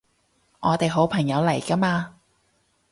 我哋好朋友嚟㗎嘛